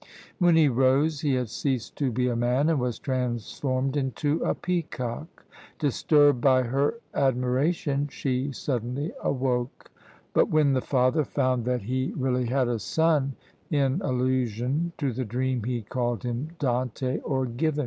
When he rose he had ceased to be a man, and was transformed into a peacock! Disturbed by her admiration, she suddenly awoke; but when the father found that he really had a son, in allusion to the dream he called him Dante or _given!